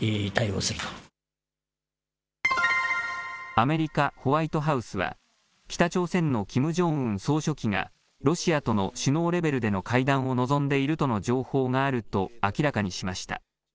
アメリカ・ホワイトハウスは北朝鮮のキム・ジョンウン総書記がロシアとの首脳レベルでの会談を望んでいるとの情報があると明らかにしました。